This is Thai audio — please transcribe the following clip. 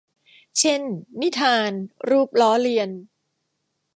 เช่น นิทาน รูปล้อเลียน